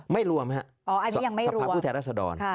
ไม่รวมฮะสภาพูดแทนรัศดร